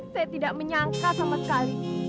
saya tidak menyangka sama sekali